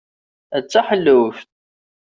A taḥelluft!